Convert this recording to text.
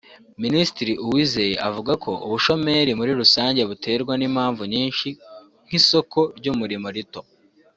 Minisitiri Uwizeye avuga ko ubushomeri muri rusange buterwa n’impamvu nyinshi nk’isoko ry’umurimo rito